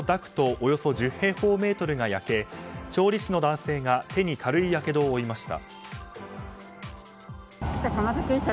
およそ１０平方メートルが焼け調理師の男性が手に軽いやけどを負いました。